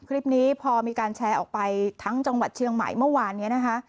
คลิปนี้พอมีการแชร์ออกไปทั้งจังหวัดเชียงใหม่เมื่อวานนี้นะคะ